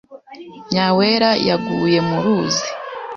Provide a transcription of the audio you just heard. Nyawera yaguye mu ruzi.